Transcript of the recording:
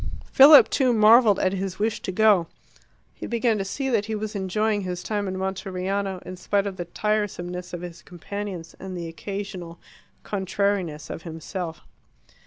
Philip, too, marvelled at his wish to go. He began to see that he was enjoying his time in Monteriano, in spite of the tiresomeness of his companions and the occasional contrariness of himself.